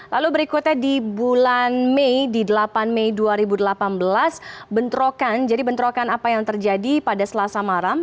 lalu berikutnya di bulan mei di delapan mei dua ribu delapan belas bentrokan jadi bentrokan apa yang terjadi pada selasa malam